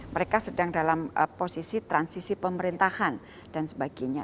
mereka sedang dalam posisi transisi pemerintahan dan sebagainya